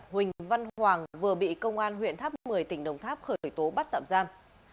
huỳnh văn hoàng vừa bị công an huyện tháp một mươi tỉnh đồng tháp khởi tố bắt tạm giam